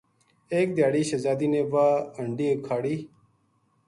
ایک دھیاڑی شہزادی نے واہ ہنڈی اُکھاڑی